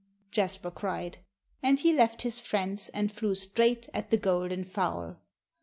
Jasper cried. And he left his friends and flew straight at the golden fowl.